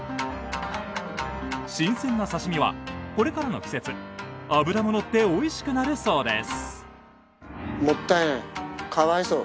新鮮な刺身はこれからの季節脂も乗っておいしくなるそうです。